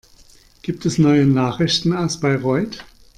Gibt es neue Nachrichten aus Bayreuth?